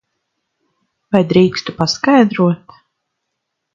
Vai drīkstu paskaidrot?